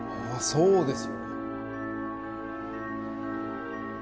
そうですよ。